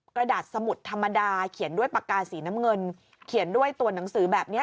กระดาษสมุดธรรมดาเขียนด้วยปากกาสีน้ำเงินเขียนด้วยตัวหนังสือแบบนี้